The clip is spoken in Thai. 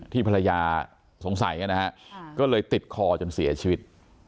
ภรรยาสงสัยนะฮะก็เลยติดคอจนเสียชีวิต